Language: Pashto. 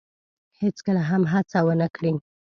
هیڅکله هم هڅه ونه کړی